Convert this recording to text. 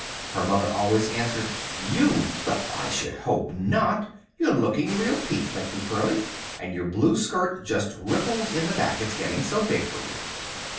her mother always answered: "You! Well, I should hope not! You're looking real peaked lately, Pearlie. And your blue skirt just ripples in the back, it's getting so big for you."